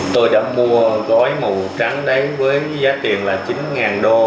tôi đã mua gói màu trắng đấy với giá tiền là chín usd